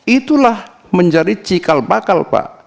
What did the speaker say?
itulah menjadi cikal bakal pak